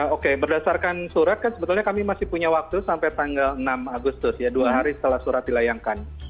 oke berdasarkan surat kan sebetulnya kami masih punya waktu sampai tanggal enam agustus ya dua hari setelah surat dilayangkan